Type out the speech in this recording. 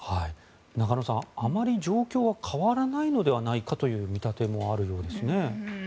中野さん、あまり状況は変わらないのではないかという見立てもあるようですね。